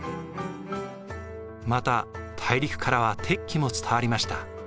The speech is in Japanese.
また大陸からは鉄器も伝わりました。